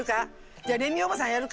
じゃあレミおばさんやるか？